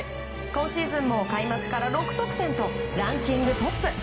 今シーズンも開幕から６得点とランキングトップ。